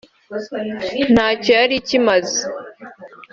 ntacyo yari ikimaze